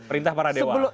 perintah para dewa